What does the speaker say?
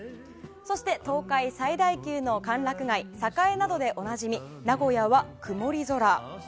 そして東海最大級の歓楽街、栄などでおなじみ名古屋は曇り空。